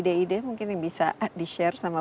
ada ide ide mungkin yang bisa di share sama pak u